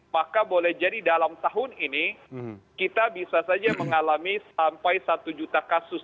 maka boleh jadi dalam tahun ini kita bisa saja mengalami sampai satu juta kasus